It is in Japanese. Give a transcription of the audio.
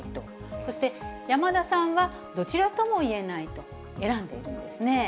そして、山田さんは、どちらとも言えないと選んでいるんですね。